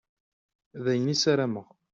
D ayen i ssarameɣ.